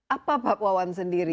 apa pak pawan sendiri